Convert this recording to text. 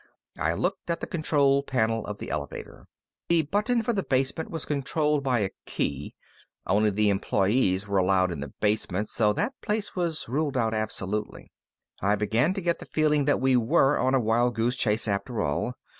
I looked at the control panel of the elevator. The button for the basement was controlled by a key; only the employees were allowed in the basement, so that place was ruled out absolutely. I began to get the feeling that we were on a wild goose chase, after all.